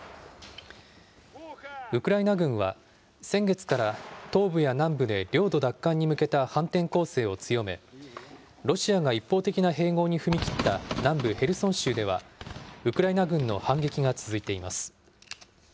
ウクライナ軍は、先月から東部や南部で領土奪還に向けた反転攻勢を強め、ロシアが一方的な併合に踏み切った南部ヘルソン州では、ウクライナ軍の反撃が続いています。